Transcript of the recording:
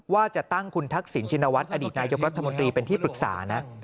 ว่าจะตั้งคุณทักษิณชินวัฒน์อดีตนายกรัฐมนตรีเป็นที่ปรึกษานะ